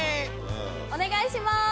お願いします